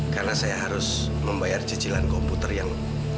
karena saya harus membayar cicilan komputer yang